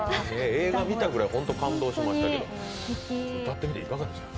映画を見たくらい本当に感動しましたけど歌ってみていかがでした？